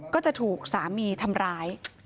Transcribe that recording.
ก็จะถูกสามีทำร้าย